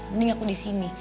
mending aku di sini